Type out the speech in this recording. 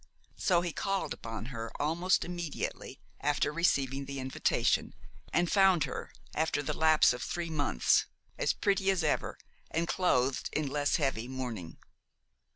So he called upon her almost immediately after receiving the invitation, and found her, after the lapse of three months, as pretty as ever, and clothed in less heavy mourning.